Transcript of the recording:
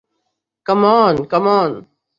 Come on, come on.